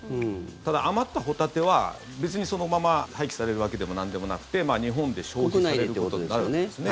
ただ、余ったホタテは別にそのまま廃棄されるわけでもなんでもなくて日本で消費されることになるんですね。